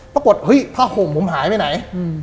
ปรากฏเฮ้ยผ้าห่มผมหายไปไหน